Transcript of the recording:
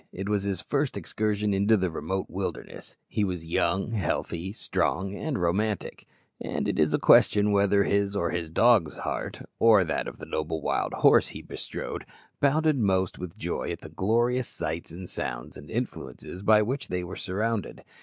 It was his first excursion into the remote wilderness; he was young, healthy, strong, and romantic; and it is a question whether his or his dog's heart, or that of the noble wild horse he bestrode, bounded most with joy at the glorious sights and sounds and influences by which they were surrounded.